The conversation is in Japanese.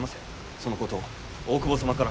そのことを大久保様から。